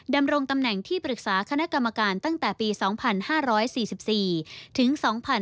ดำรงตำแหน่งที่ปรึกษาคณะกรรมการตั้งแต่ปี๒๕๔๔ถึง๒๕๕๙